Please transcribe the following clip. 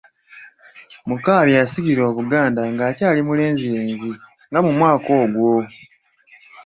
Mukaabya yasikira Obuganda ng'akyali mulenzirenzi nga mu mwaka ogwo.